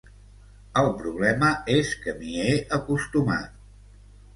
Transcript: El problema és que m'hi he acostumat.